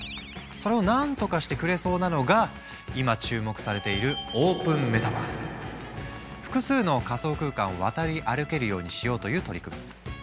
それを何とかしてくれそうなのが今注目されている複数の仮想空間を渡り歩けるようにしようという取り組み。